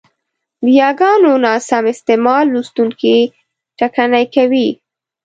د یاګانو ناسم استعمال لوستوونکی ټکنی کوي،